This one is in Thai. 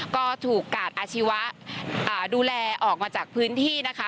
ก็ถูกกาดอาชีวะดูแลออกมาจากพื้นที่นะคะ